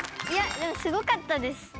いやでもすごかったです。